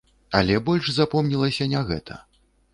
Але больш запомнілася не гэта.